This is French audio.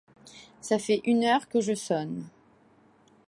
Ça fait une heure que je sonne.